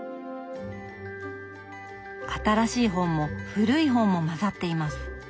新しい本も古い本も交ざっています。